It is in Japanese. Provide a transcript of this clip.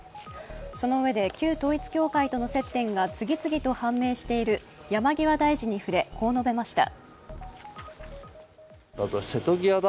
そのうえで、旧統一教会との接点が次々と判明している山際大臣に触れ、こう述べました。